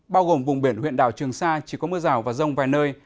bao gồm vùng biển huyện đảo trường sa chỉ có mưa rào và rông vài nơi